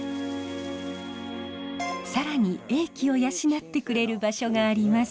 更に英気を養ってくれる場所があります。